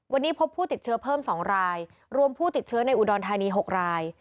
วันนี้พบผู้ติดเชื้อเพิ่ม๒รายรวมผู้ติดเชื้อในอุดรธานี๖ราย